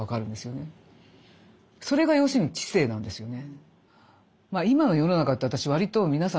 それが要するに知性なんですよね。